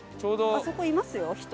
あそこいますよ人。